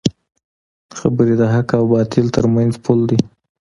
خبرې د حق او باطل ترمنځ پول دی